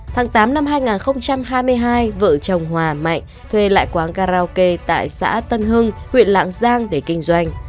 tháng tám năm hai nghìn hai mươi hai vợ chồng hòa mạnh thuê lại quán karaoke tại xã tân hưng huyện lạng giang để kinh doanh